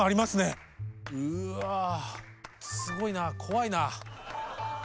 うわすごいな怖いな。